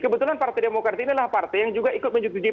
kebetulan partai demokrat ini adalah partai yang juga ikut menyetujui